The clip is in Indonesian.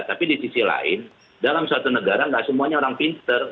tapi di sisi lain dalam suatu negara tidak semuanya orang pinter